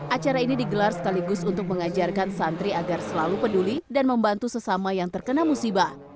acara ini digelar sekaligus untuk mengajarkan santri agar selalu peduli dan membantu sesama yang terkena musibah